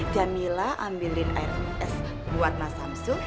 jamila ambilin air es buat mas hamsul